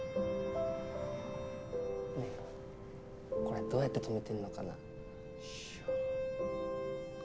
これどうやってとめてんのかな。